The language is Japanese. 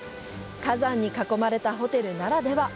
火山に囲まれたホテルならでは！